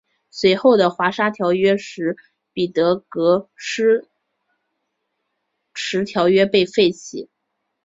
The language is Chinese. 随后的华沙条约使彼得戈施迟条约被废弃。